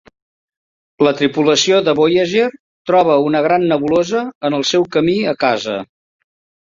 La tripulació de "Voyager" troba una gran nebulosa en el seu camí a casa.